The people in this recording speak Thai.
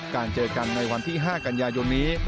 การเจอกันในวันที่๕กันยาหย่อมนี้